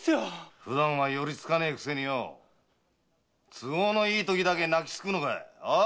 ふだんは寄りつかないくせに都合のいいときだけ泣きつくのか。